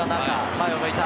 前を向いた！